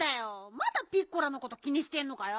まだピッコラのこと気にしてんのかよ。